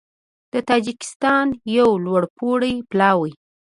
د تاجېکستان یو لوړپوړی پلاوی